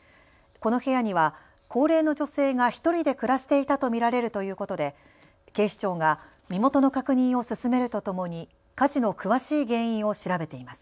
この部屋には高齢の女性が１人で暮らしていたと見られるということで警視庁が身元の確認を進めるとともに火事の詳しい原因を調べています。